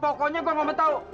pokoknya gue mau tau